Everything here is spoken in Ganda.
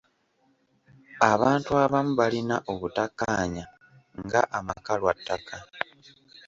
Abantu abamu balina obutakkaanya nga amaka lwa ttaka.